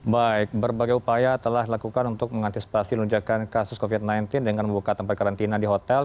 baik berbagai upaya telah dilakukan untuk mengantisipasi lonjakan kasus covid sembilan belas dengan membuka tempat karantina di hotel